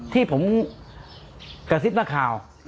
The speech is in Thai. ที่ผมกระซิบนักข่าว